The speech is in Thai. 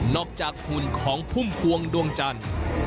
จากหุ่นของพุ่มพวงดวงจันทร์